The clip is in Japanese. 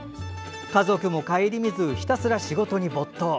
家族も顧みずひたすら仕事に没頭。